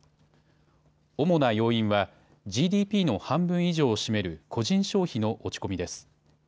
主な要因はＧＤＰの半分以上を占める個人消費の落ち込みです。